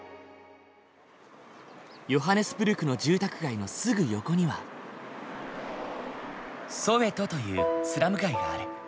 ヨハネスブルクの住宅街のすぐ横にはソウェトというスラム街がある。